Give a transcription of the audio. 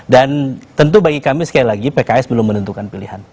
dan tentu bagi kami sekali lagi pks belum menentukan pilihan